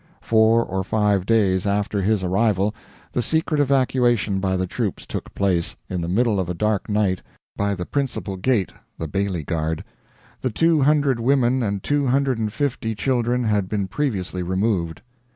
Four or five days after his arrival the secret evacuation by the troops took place, in the middle of a dark night, by the principal gate, (the Bailie Guard). The two hundred women and two hundred and fifty children had been previously removed.